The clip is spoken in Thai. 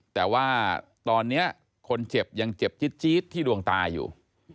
แต่ว่าตอนนี้คนเจ็บยังเจ็บจี๊ดที่ดวงตาอยู่